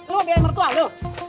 lu mau biarin mertua lu